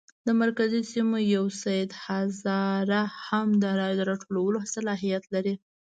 د مرکزي سیمو یو سید هزاره هم د رایو د راټولولو صلاحیت لري.